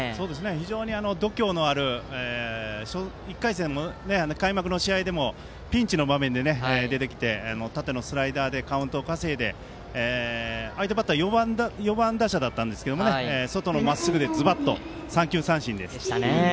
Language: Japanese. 非常に度胸のある１回戦の開幕の試合でもピンチの場面で出てきて縦のスライダーでカウントを稼いで相手バッター４番打者だったんですが外のまっすぐでズバッと三球三振で。